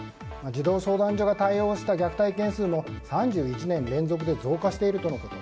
児童相談所が対応した虐待件数も３１年連続で増加しているとのこと。